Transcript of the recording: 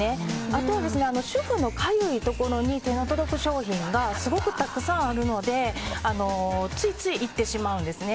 あと主婦のかゆいところに手の届く商品がすごくたくさんあるのでついつい行ってしまうんですね。